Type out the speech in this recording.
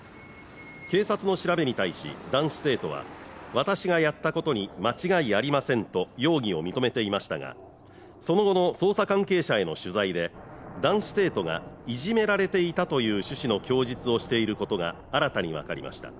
警察の調べに対し男子生徒は私がやったことに間違いありませんと容疑を認めていましたがその後の捜査関係者への取材で男子生徒がいじめられていたという趣旨の供述をしていることが新たに分かりました